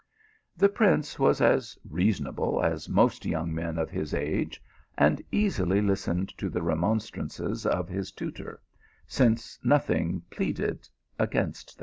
The prince was as reasonable as most young men of his age, and easily listened to the remonstrances Of his tutor, since nothing pleaded against them.